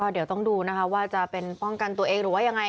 เดี๋ยวต้องดูนะคะว่าจะเป็นป้องกันตัวเองหรือว่ายังไง